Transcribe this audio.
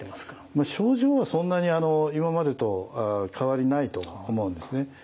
症状はそんなに今までと変わりないと思うんですね。